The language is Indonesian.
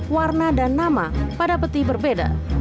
warna dan nama pada peti berbeda